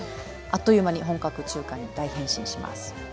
あっという間に本格中華に大変身します。